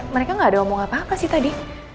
mereka nggak ada omong apa apa sih tadi